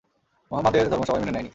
মুহাম্মাদের ধর্ম সবাই মেনে নেয়নি।